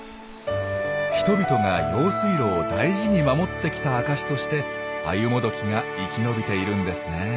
人々が用水路を大事に守ってきた証しとしてアユモドキが生き延びているんですね。